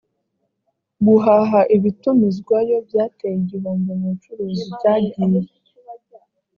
guhaha ibitumizwayo byateye igihombo mu bucuruzi cyagiye